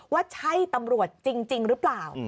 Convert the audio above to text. ว่าใช่ตำรวจจริงหรือเปล่า